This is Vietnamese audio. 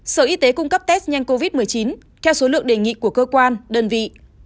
sở y tế cung cấp test nhanh covid một mươi chín theo số lượng đề nghị của cơ quan đơn vị